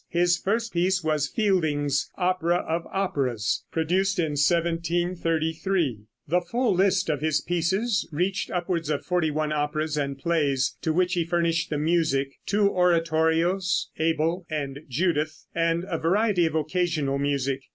His first piece was Fielding's "Opera of Operas," produced in 1733. The full list of his pieces reached upwards of forty one operas and plays to which he furnished the music, two oratorios, "Abel" and "Judith," and a variety of occasional music.